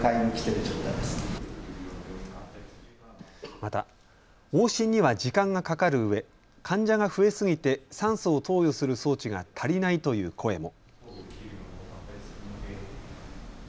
また往診には時間がかかるうえ患者が増えすぎて酸素を投与する装置が足りないという声も。